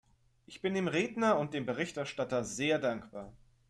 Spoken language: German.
Ich bin dem Redner und dem Berichterstatter sehr dankbar.